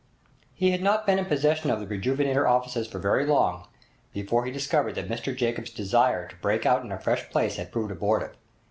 He had not been in possession of the 'Rejuvenator' offices for very long before he discovered that Mr Jacobs' desire to break out in a fresh place had proved abortive.